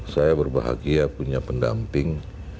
saya berbahagia punya pendamping